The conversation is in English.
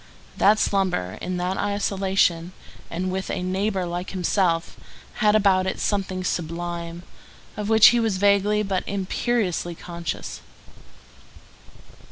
That slumber in that isolation, and with a neighbor like himself, had about it something sublime, of which he was vaguely but imperiously conscious.